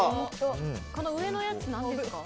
上のやつ、何ですか？